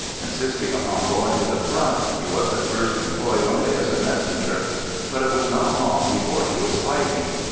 Insisting upon going to the front, he was at first employed only as a messenger. But it was not long before he was fighting.